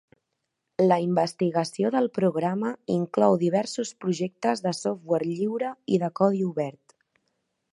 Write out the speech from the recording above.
La investigació del programa inclou diversos projectes de software lliure i de codi obert.